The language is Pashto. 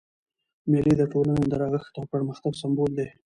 مېلې د ټولني د رغښت او پرمختګ سمبول دي.